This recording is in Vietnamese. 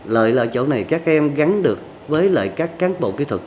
lợi là chỗ này các em gắn được với lại các cán bộ kỹ thuật